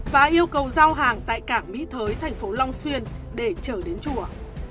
và yêu cầu giao hàng tại cảng mỹ thới thành phố long xuyên để trở đến chùa